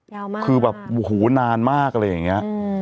ยาวมากคือแบบหูนานมากอะไรอย่างนี้